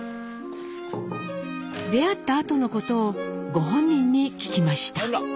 出会ったあとのことをご本人に聞きました。